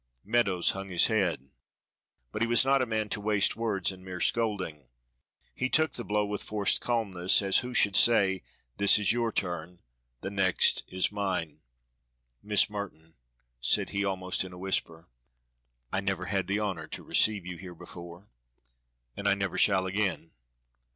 Meadows hung his head, but he was not a man to waste words in mere scolding. He took the blow with forced calmness as who should say, "This is your turn the next is mine." "Miss Merton," said he, almost in a whisper, "I never had the honor to receive you here before and I never shall again.